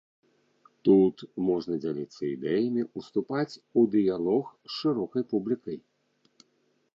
Тут можна дзяліцца ідэямі, ўступаць у дыялог з шырокай публікай.